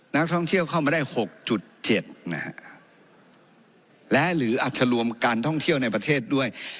นักท่องเที่ยวเข้ามาได้๖๗นะฮะและหรืออาจจะรวมการท่องเที่ยวในประเทศด้วย